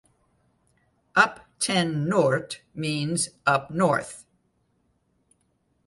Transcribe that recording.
Op ten Noort means "Up North".